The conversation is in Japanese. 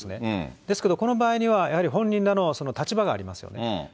ですけど、この場合には、やはり本人らのたちがありますよね。